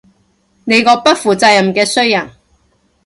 你個不負責任嘅衰人